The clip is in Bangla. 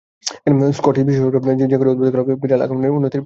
স্কটিশ বিশ্বাস হলো যে ঘরে অদ্ভুত কালো বিড়াল আগমন উন্নতির প্রতীক।